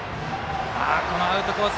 アウトコース